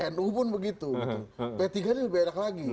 nu pun begitu p tiga ini lebih enak lagi